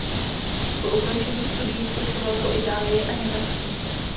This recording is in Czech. Po ukončení studií cestoval po Itálii a Německu.